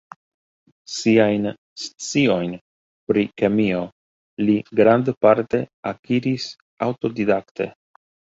Siajn sciojn pri kemio li grandparte akiris aŭtodidakte.